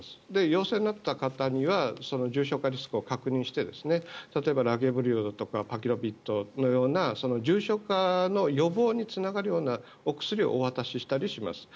陽性になった方には重症化リスクを確認して例えば、ラゲブリオだとかパキロビッドのような重症化の予防につながるようなお薬をお渡ししたりします。